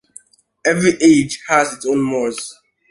Every age has its own mores.